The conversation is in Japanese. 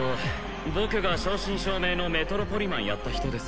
僕が正真正銘のメトロポリマンやった人です